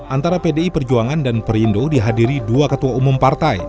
antara pdi perjuangan dan perindo dihadiri dua ketua umum partai